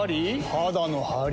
肌のハリ？